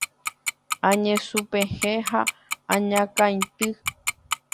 añesũpehẽ ha añakãity